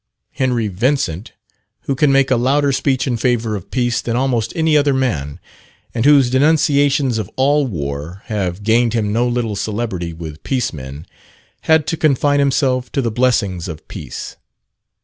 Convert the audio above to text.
Henry Vincent, who can make a louder speech in favour of peace, than almost any other man, and whose denunciations of "all war," have gained him no little celebrity with peace men, had to confine himself to the blessings of peace.